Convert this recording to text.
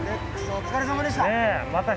お疲れさまでした。